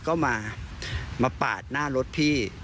ก็มาปาดหน้ารถพี่